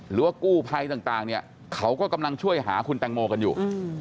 หรือว่ากู้ภัยต่างเนี่ยเขาก็กำลังช่วยหาคุณแตงโมกันอยู่